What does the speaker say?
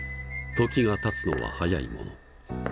時がたつのは早いもの。